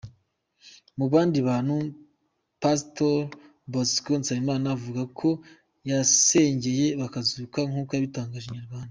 Mu bandi bantu Pastor Bosco Nsabimana avuga ko yasengeye bakazuka nkuko yabitangarije Inyarwanda.